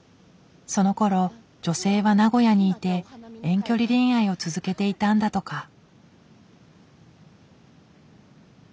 そのころ女性は名古屋にいて遠距離恋愛を続けていたんだとか。